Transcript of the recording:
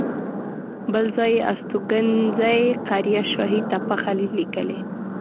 بل ځای یې استوګنځی قریه شاهي تپه خلیل لیکلی.